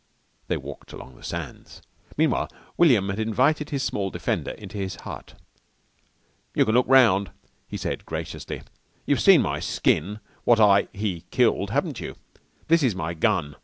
They walked along the sands. Meanwhile William had invited his small defender into his hut. "You can look round," he said graciously. "You've seen my skin what I he killed, haven't you? This is my gun.